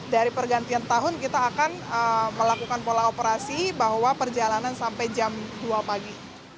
dari pergantian tahun kita akan melakukan pola operasi bahwa perjalanan sampai jam dua pagi